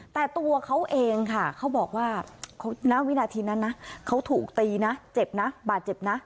แต่ตัวเขาเองค่ะเขาบอกว่าณวินาทีนั้นนะเขาถูกตีนะเจ็บนะบาดเจ็บนะ